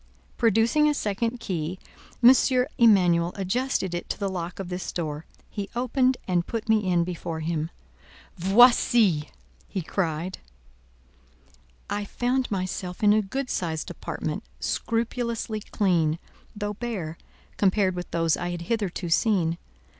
Producing a second key, M. Emanuel adjusted it to the lock of this door. He opened, put me in before him. "Voici!" he cried. I found myself in a good sized apartment, scrupulously clean, though bare, compared with those I had hitherto seen.